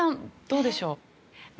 どうでしょう？